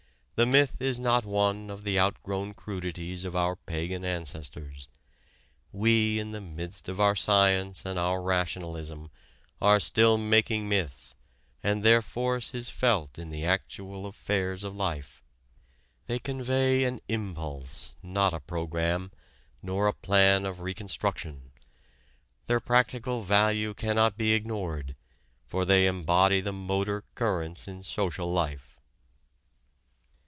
The myth is not one of the outgrown crudities of our pagan ancestors. We, in the midst of our science and our rationalism, are still making myths, and their force is felt in the actual affairs of life. They convey an impulse, not a program, nor a plan of reconstruction. Their practical value cannot be ignored, for they embody the motor currents in social life.